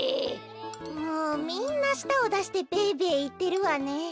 もうみんなしたをだしてべべいってるわね。